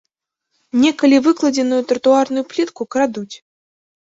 Некалі выкладзеную тратуарную плітку крадуць.